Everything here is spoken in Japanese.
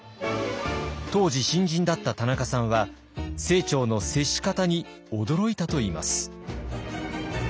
当時新人だった田中さんは清張の接し方に驚いたといいます。